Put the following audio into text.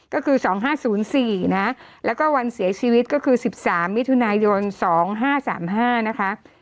ก็คือ๒๕๐๔นะแล้วก็วันเสียชีวิตก็คือ๑๓มิถุนายน๒๕๓๕นะคะ